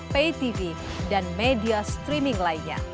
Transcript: ptv dan media streaming lainnya